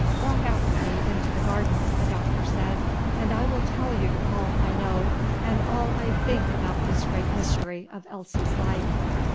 "Walk out with me into the garden," the Doctor said, "and I will tell you all I know and all I think about this great mystery of Elsie's life."